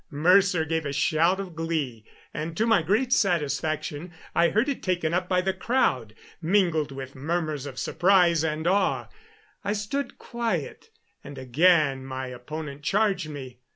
Mercer gave a shout of glee, and, to my great satisfaction, I heard it taken up by the crowd, mingled with murmurs of surprise and awe. I stood quiet, and again my opponent charged me.